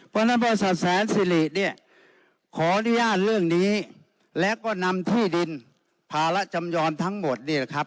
เพราะฉะนั้นบริษัทแสนสิริขออนุญาตเรื่องนี้และก็นำที่ดินภาระจำยอมทั้งหมด